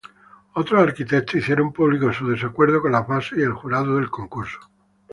Otros arquitectos hicieron público su desacuerdo con las bases y el jurado del concurso.